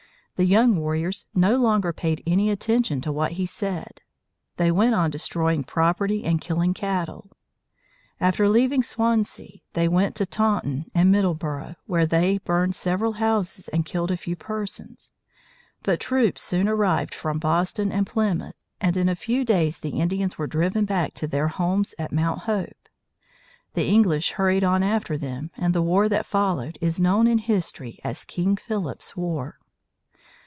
The young warriors no longer paid any attention to what he said. They went on destroying property and killing cattle. After leaving Swansea, they went to Taunton and Middleboro, where they burned several houses and killed a few persons. But troops soon arrived from Boston and Plymouth, and in a few days the Indians were driven back to their homes at Mount Hope. The English hurried on after them, and the war that followed is known in history as King Philip's War.